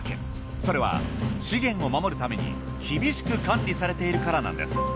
それは資源を守るために厳しく管理されているからなんです。